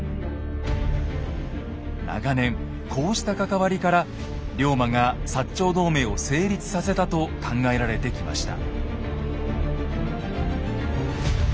長年こうした関わりから龍馬が長同盟を成立させたと考えられてきました。